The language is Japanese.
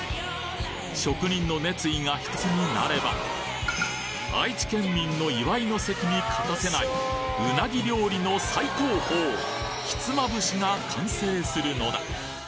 職人の熱意が一つになれば、愛知県民の祝いの席に欠かせない、うなぎ料理の最高峰、ひつまぶしが完成するのだ。